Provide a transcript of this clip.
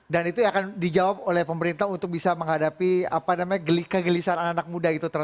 dan itu akan dijawab oleh pemerintah untuk bisa menghadapi apa namanya kegelisahan anak anak muda gitu